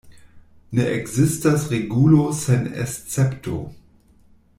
Ne ekzistas regulo sen escepto.